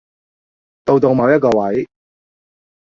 到到某一個位